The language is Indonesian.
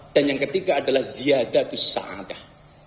dan yang ketiga adalah ziyadatul sa adah